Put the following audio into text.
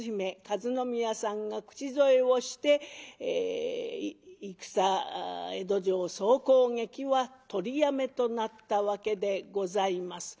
和宮さんが口添えをして戦江戸城総攻撃は取りやめとなったわけでございます。